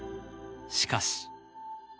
しかし。